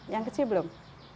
yang kecil belum